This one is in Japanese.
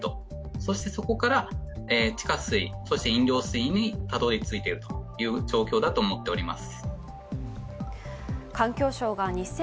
そしてそこから地下水、飲料水にたどりついているという状況だと思っております。